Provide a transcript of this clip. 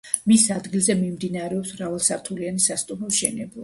მის ადგილზე მიმდინარეობს მრავალსართულიანი სასტუმროს მშენებლობა.